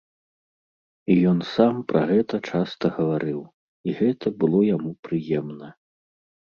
І ён сам пра гэта часта гаварыў, і гэта было яму прыемна.